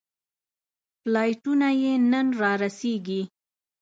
فلایټونه یې نن رارسېږي.